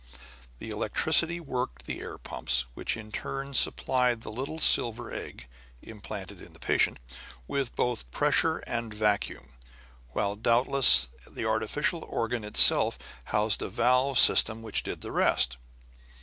The electricity worked the air pumps, which in turn supplied the little silver egg implanted in the patient with both pressure and vacuum, while doubtless the artificial organ itself housed a valve system which did the rest.